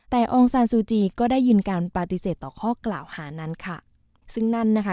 แต่องซานซูจีก็ได้ยินการปฏิเสธต่อข้อกล่าวหานั้นค่ะซึ่งนั่นนะคะ